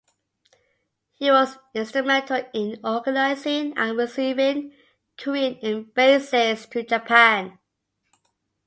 He was instrumental in organizing and receiving Korean embassies to Japan.